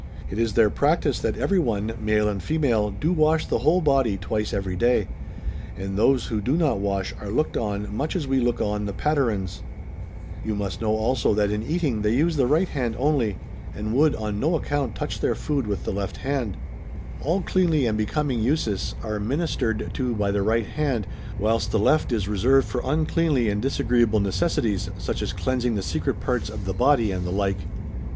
It is their practice that every one, male and female, do wash the whole body twice every day ; and those who do not wash are looked on much as we look on the Patarins. [Vou must know also that in eating they use the right hand only, and would on no account touch their food with Chap. XVII. THE PROVINCE OF MAABAR. 279 the left hand. All cleanly and becoming uses are minis tered to by the right hand, whilst the left is reserv^ed for uncleanly and disagreeable necessities, such as cleansing the secret parts of the body and the like.